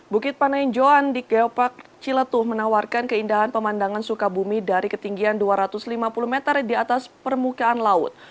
bukit panenjoan di geopark ciletuh menawarkan keindahan pemandangan sukabumi dari ketinggian dua ratus lima puluh meter di atas permukaan laut